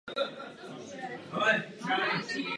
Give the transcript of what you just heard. Součástí smlouvy o hostování byla opce na případný přestup.